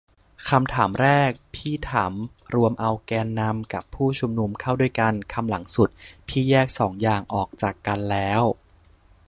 คำถามแรกพี่ถามรวมเอาแกนนำกับผู้ชุมนุมเข้าด้วยกัน คำหลังสุด พี่แยกสองอย่างออกจากกันแล้ว